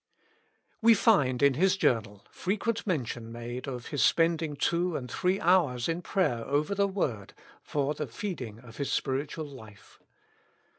We find in his journal frequent mention made of his spending two and three hours in prayer over the word for the feeding of his spiritual life.